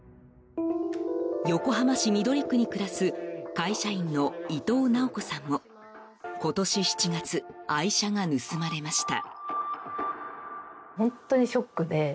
横浜市緑区に暮らす会社員の伊藤直子さんも今年７月、愛車が盗まれました。